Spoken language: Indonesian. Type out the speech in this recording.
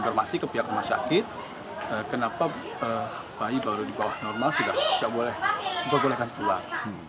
rumah sakit kenapa bayi baru di bawah normal sudah diserahkan pulang